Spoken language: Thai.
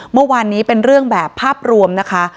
เมื่อวานนี้เป็นเรื่องแบบภาพรวมนะคะ